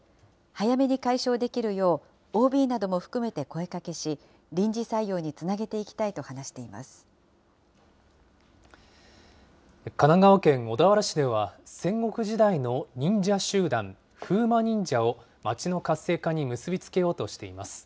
早めに解消できるよう、ＯＢなども含めて声かけし、臨時採用につなげていきたいと話して神奈川県小田原市では、戦国時代の忍者集団、風魔忍者を街の活性化に結び付けようとしています。